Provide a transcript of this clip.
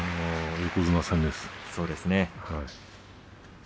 横綱戦ですよね。